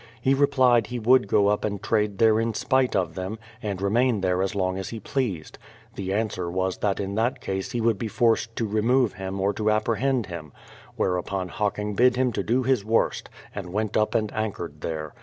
He replied he would go up and trade there in spite of them, and remain there as long as he pleased. The answer was that in that case he would be forced to remove him or apprehend him. Whereupon Hocking bid him do his worst, and went up and anchored there.